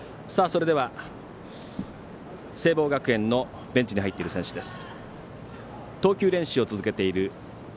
それでは聖望学園のベンチに入っている選手です。